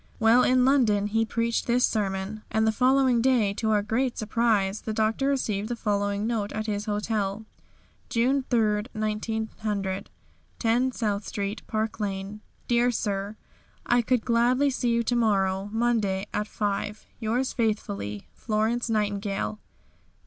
While in London he preached this sermon, and the following day to our surprise the Doctor received the following note at his hotel: "June 3, 1900. "10, South Street, "Park Lane. "Dear Sir "I could gladly see you to morrow (Monday) at 5. Yours faithfully, "FLORENCE NIGHTINGALE.